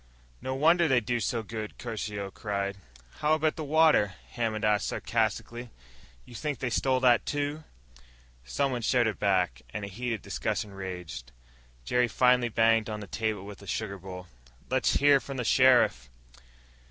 "No wonder they do so good!" Caruso cried. "How about the water?" Hammond asked sarcastically. "You think they stole that, too?" Someone shouted back, and a heated discussion raged. Jerry finally banged on the table with a sugar bowl. "Let's hear from the sheriff."